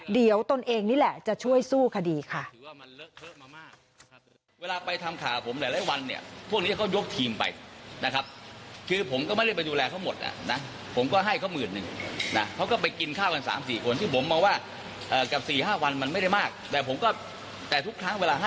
เดี๋ยวตนเองนี่แหละจะช่วยสู้คดีค่ะ